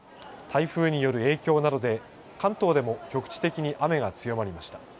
台風による影響などで、関東でも局地的に雨が強まりました。